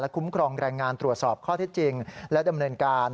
คุ้มครองแรงงานตรวจสอบข้อเท็จจริงและดำเนินการ